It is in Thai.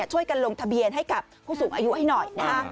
ช่วยกันลงทะเบียนให้กับผู้สูงอายุให้หน่อยนะฮะ